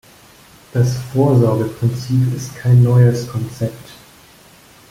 Das Vorsorgeprinzip ist kein neues Konzept.